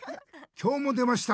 今日も出ました。